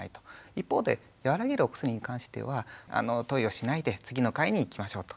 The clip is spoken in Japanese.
一方で和らげるお薬に関しては投与しないで次の回にいきましょうと。